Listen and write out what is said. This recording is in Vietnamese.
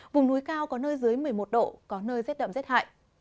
vùng núi cao có nơi dưới một mươi một độ có nơi rét đậm rét hại